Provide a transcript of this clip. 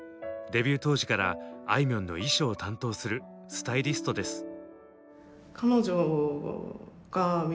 デビュー当時からあいみょんの衣装を担当するスタイリストです。